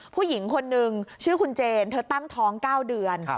ผู้หญิงคนนึงชื่อคุณเจนเธอตั้งท้อง๙เดือน